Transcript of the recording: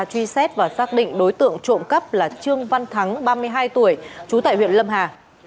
truy xét và xác định đối tượng trộm cắp là trương văn thắng ba mươi hai tuổi trú tại huyện lâm hà